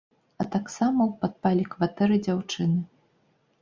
А таксама ў падпале кватэры дзяўчыны.